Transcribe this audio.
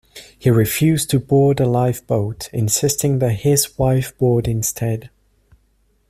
He refused to board a lifeboat, insisting that his wife board instead.